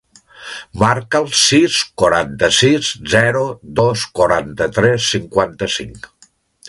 Marca el sis, quaranta-sis, zero, dos, quaranta-tres, cinquanta-cinc.